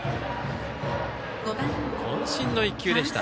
こん身の１球でした。